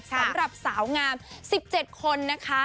สำหรับสาวงาม๑๗คนนะคะ